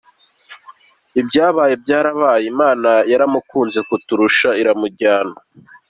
Ibyabaye byarabaye Imana yamukunze kuturusha iramujyana.